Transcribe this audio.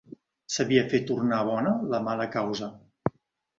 Sabia fer tornar bona la mala causa.